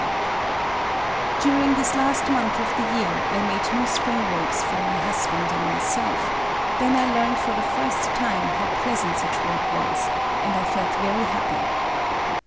— During this last month of the year I made new spring robes for my husband and myself: then I learned for the first time how pleasant such Work was, and I felt very happy.